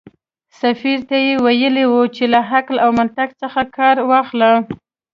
سفیر ته یې ویلي و چې له عقل او منطق څخه کار واخلي.